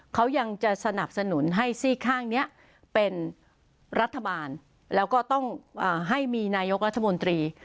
เขายังจะสนับสนุนให้ซี่ข้างนี้เป็นรัฐบาลแล้วก็ต้องให้มีนายกรัฐมนตรี